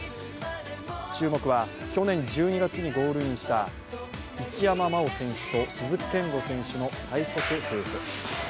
注目は、去年１２月にゴールインした一山麻緒選手と鈴木健吾選手の最速夫婦。